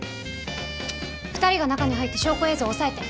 ２人が中に入って証拠映像を押さえて。